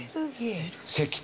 石炭。